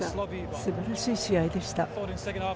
すばらしい試合でした。